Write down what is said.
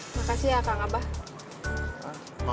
makasih ya kak ngabah